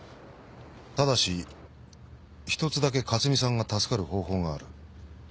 ただしひとつだけ克巳さんが助かる方法がある。